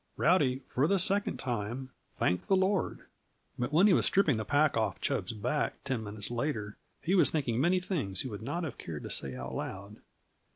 Rowdy, for the second time, thanked the Lord. But when he was stripping the pack off Chub's back, ten minutes later, he was thinking many things he would not have cared to say aloud.